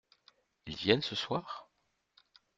Ils viennent ce soir ?